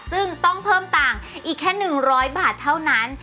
ซึ่งต้องเพิ่มต่างอีกแค่๑๐๐บาทเท่านั้น